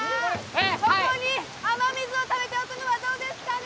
はいここに雨水をためておくのはどうですかね？